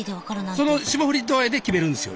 その霜降り度合いで決めるんですよ